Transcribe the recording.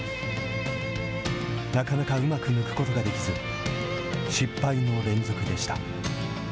なかなかうまく抜くことができず、失敗の連続でした。